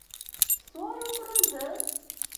سوال وکړم زه؟